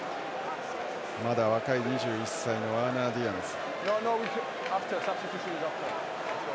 まだ若い２１歳のワーナー・ディアンズ。